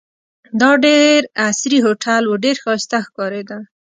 دا ډېر عصري هوټل وو، ډېر ښایسته ښکارېده.